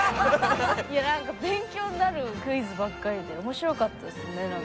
いやなんか勉強になるクイズばっかりで面白かったですねなんか。